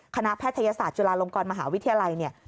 แพทยศาสตร์จุฬาลงกรมหาวิทยาลัยเนี่ย